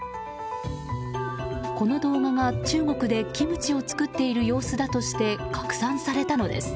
この動画が、中国でキムチを作っている様子だとして拡散されたのです。